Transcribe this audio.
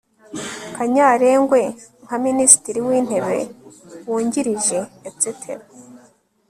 kanyarengwe nka minisitiri w'intebe wungirije etc